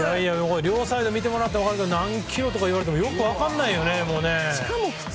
両サイドを見てもらっても分かるけど何キロとか言われてもよく分からないよね。